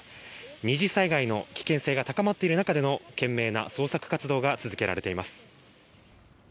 二次災害の危険性が高まっている中での懸命な捜索活動が続けられています。